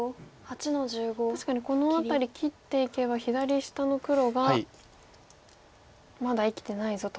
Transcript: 確かにこの辺り切っていけば左下の黒がまだ生きてないぞと。